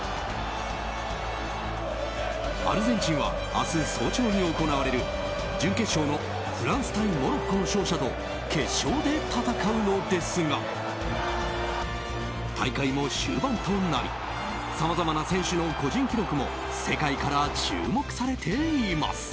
アルゼンチンは明日早朝に行われる準決勝のフランス対モロッコの勝者と決勝で戦うのですが大会も終盤となりさまざまな選手の個人記録も世界から注目されています。